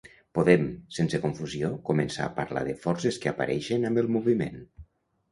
Podem, sense confusió, començar a parlar de forces que apareixen amb el moviment?